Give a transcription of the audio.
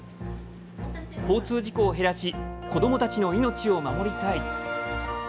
交通事故を減らし子どもたちの命を守りたい。